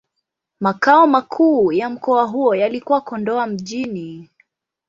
Makao makuu ya mkoa huo yalikuwa Kondoa Mjini.